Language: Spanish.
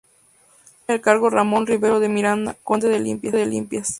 Sucede en el cargo a Ramón Rivero de Miranda, conde de Limpias.